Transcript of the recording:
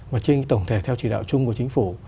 và trên tổng thể theo chỉ đạo chung của chính phủ